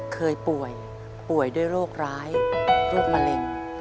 เคยป่วยป่วยด้วยโรคร้ายโรคมะเร็ง